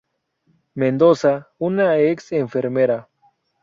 Mendoza, una ex enfermera.